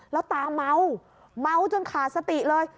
แล้วตาเมาเมาจนขาดสติเลย